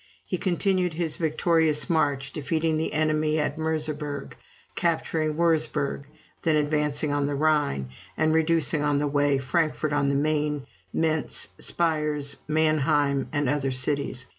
He continued his victorious march, defeating the enemy at Merseberg, capturing Wurzburg, then advancing on the Rhine, and reducing on the way Frankfort on the Main, Mentz, Spires, Mannheim, and other cities.